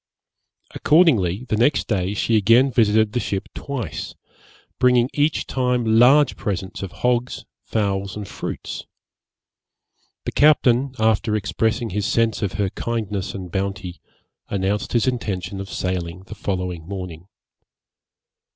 Accordingly, the next day she again visited the ship twice, bringing each time large presents of hogs, fowls, and fruits. The captain, after expressing his sense of her kindness and bounty, announced his intention of sailing the following morning.